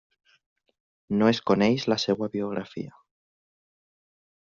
No es coneix la seva biografia.